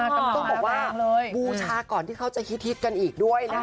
ต้องบอกว่าบูชาก่อนที่เขาจะฮิตกันอีกด้วยนะคะ